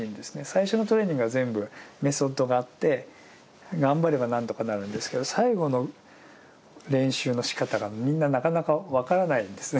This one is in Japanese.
最初のトレーニングは全部メソッドがあって頑張れば何とかなるんですけど最後の練習のしかたがみんななかなか分からないんです。